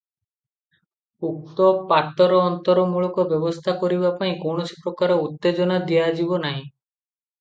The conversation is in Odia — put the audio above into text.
ଉକ୍ତ ପାତରଅନ୍ତରମୂଳକ ବ୍ୟବସ୍ଥା କରିବା ପାଇଁ କୌଣସି ପ୍ରକାର ଉତ୍ତେଜନା ଦିଆଯିବ ନାହିଁ ।